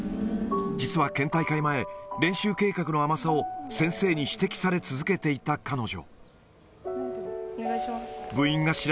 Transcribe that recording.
実は県大会前、練習計画の甘さを先生に指摘され続けていた彼女。